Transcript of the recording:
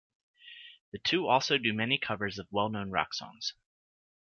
The two also do many covers of well-known rock songs.